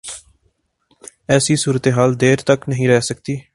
ایسی صورتحال دیر تک نہیں رہ سکتی۔